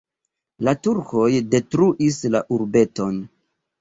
La turkoj detruis la urbeton.